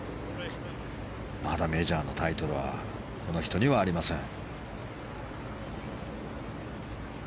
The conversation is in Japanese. まだメジャーのタイトルはこの人にはありません。